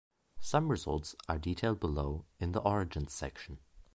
Some results are detailed below in the 'Origins' section.